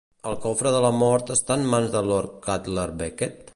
El Cofre de la Mort està en mans de Lord Cutler Beckett?